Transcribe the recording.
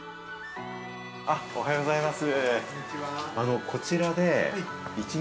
おはようございます。